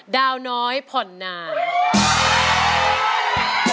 ดาวน้อยผ่อนนาน